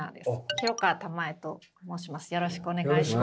廣川玉枝と申します。